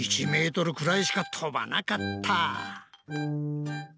１ｍくらいしか飛ばなかった。